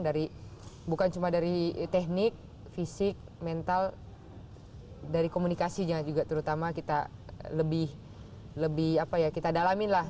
dari bukan cuma dari teknik fisik mental dari komunikasinya juga terutama kita lebih apa ya kita dalamin lah